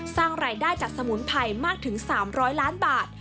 สร้างรายได้จากสมุนไพรมากถึง๓๐๐ล้านบาท